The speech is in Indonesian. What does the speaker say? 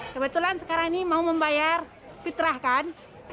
kebetulan sekarang ini mau membayar fitrah kan